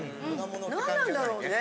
何なんだろうね。